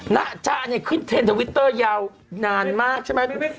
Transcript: นะจ๊ะเนี่ยขึ้นเทรนดทวิตเตอร์ยาวนานมากใช่ไหม